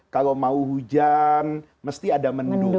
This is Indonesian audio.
kalau mau hujan mesti ada mendung